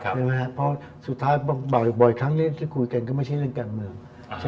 เพราะสุดท้ายบ่อยทั้งที่คุยกันก็ไม่ใช่เรื่องการเมือง